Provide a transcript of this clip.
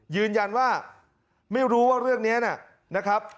ยืนยันว่าไม่รู้ว่าเรื่องนี้นะครับ